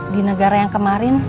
di negara yang kemarin